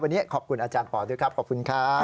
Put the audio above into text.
วันนี้ขอบคุณอาจารย์ปอด้วยครับขอบคุณครับ